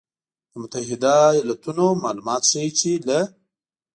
له متحدو ایالتونو مالومات ښیي چې له